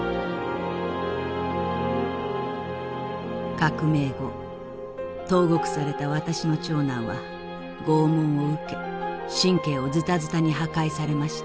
「革命後投獄された私の長男は拷問を受け神経をズタズタに破壊されました。